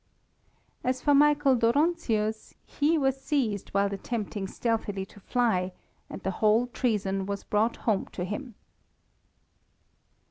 As for Michael Dóronczius, he was seized while attempting stealthily to fly, and the whole treason was brought home to him.